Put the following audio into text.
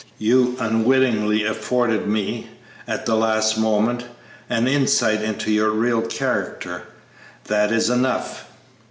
You unwittingly afforded me, at the last moment, an insight into your real character. That is enough!"